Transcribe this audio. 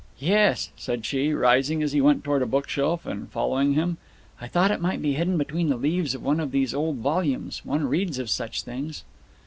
"Yes," said she, rising, as he went towards a bookshelf, and following him. "I thought it might be hidden between the leaves of one of these old volumes. One reads of such things."